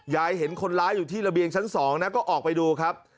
เห็นคนร้ายอยู่ที่ระเบียงชั้น๒นะก็ออกไปดูครับ